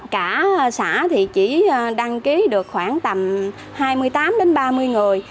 cả xã thì chỉ đăng ký được khoảng tầm hai mươi tám đến ba mươi người